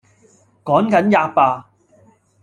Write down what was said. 「趕緊喫罷！」